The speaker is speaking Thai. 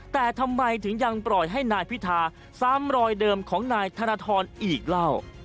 แต่ทำไมถึงยังปล่อยให้นายพิธาซ้ำรอยเดิมของนายธนทรอีกเล่า